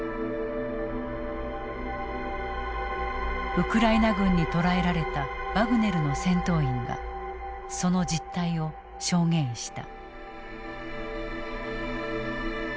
ウクライナ軍に捕らえられたワグネルの戦闘員はその実態を証言した。